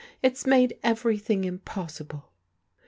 It's made everything impossible."